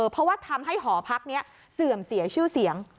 เพราะว่าทำให้หอพักนี้เสื่อมเสียชื่อเสียง